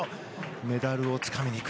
メダルをつかみに行く。